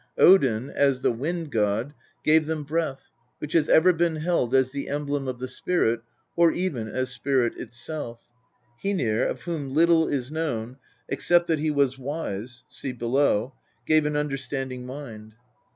Odin, as the Wind god, gave them breath, which has ever been held as the emblem of the spirit, or even as spirit itself. Hoenir, of whom little is known, except that he was wise (see below), gave an understanding mind.